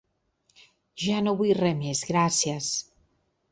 Ja no vull res més, gràcies.